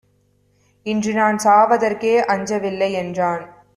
இன்றுநான் சாவதற்கே அஞ்சவில்லை என்றான்!